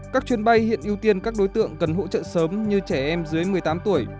các chuyến bay hiện ưu tiên các đối tượng cần hỗ trợ sớm như trẻ em dưới một mươi tám tuổi